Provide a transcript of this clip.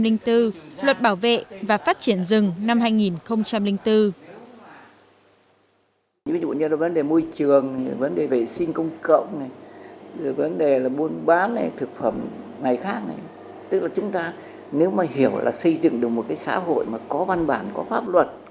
luật bảo vệ và phát triển rừng năm hai nghìn bốn